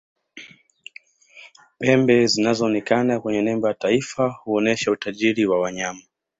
pembe zinazoonekana kwenye nembo ya taifa huonesha utajiri wa wanyama